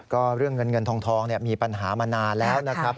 ก็เรื่องเงินเงินทองมีปัญหามานานแล้วนะครับ